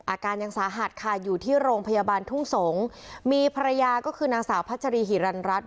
อาการยังสาหัสค่ะอยู่ที่โรงพยาบาลทุ่งสงศ์มีภรรยาก็คือนางสาวพัชรีหิรันรัฐ